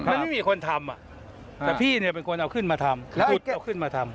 มันไม่มีคนทำแต่พี่เนี่ยเป็นคนเอาขึ้นมาทำแล้วคุณก็เอาขึ้นมาทำ